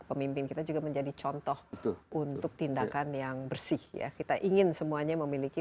pemimpin kita juga menjadi contoh untuk tindakan yang bersih ya kita ingin semuanya memiliki